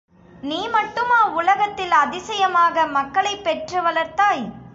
நீ மட்டுமா உலகத்தில் அதிசயமாக மக்களைப் பெற்று வளர்த்தாய்?